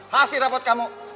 hasil rapot kamu